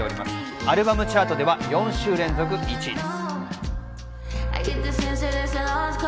アルバムチャートでは４週連続１位です。